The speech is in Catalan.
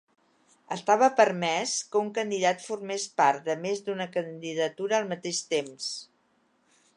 Estava permès que un candidat formés part de més d'una candidatura al mateix temps.